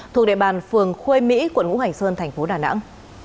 thuộc địa bàn phường khuê mỹ quận ngũ hành sơn thành phố đà nẵng